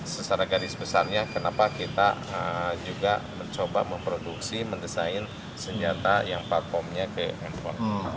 secara garis besarnya kenapa kita juga mencoba memproduksi mendesain senjata yang platformnya ke handphone